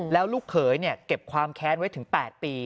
แล้วลูกเขยเก็บความแค้นไว้ถึง๘ปี